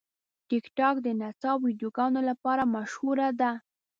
ټیکټاک د نڅا ویډیوګانو لپاره مشهوره ده.